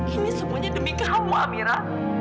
ini semuanya demi kamu amira